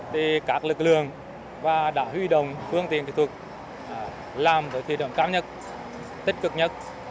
thì các lực lượng và đã huy động phương tiện kỹ thuật làm với thủy đoạn cao nhất tích cực nhất